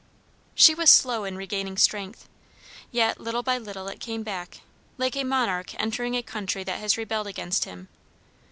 _" She was slow in regaining strength. Yet little by little it came back, like a monarch entering a country that has rebelled against him.